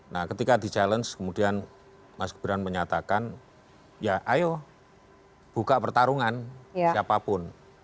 nah ketika di challenge kemudian mas gibran menyatakan ya ayo buka pertarungan siapapun